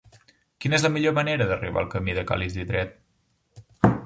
Quina és la millor manera d'arribar al camí de Ca l'Isidret?